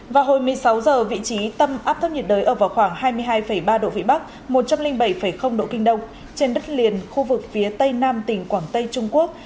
vào hồi một mươi sáu h vị trí tâm áp thấp nhiệt đới ở vào khoảng hai mươi hai ba độ vĩ bắc một trăm linh bảy độ kinh đông trên đất liền khu vực phía tây nam tỉnh quảng tây trung quốc